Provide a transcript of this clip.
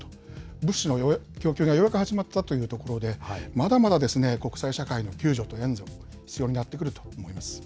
物資の供給がようやく始まったというところで、まだまだ国際社会の救助と援助が必要になってくると思います。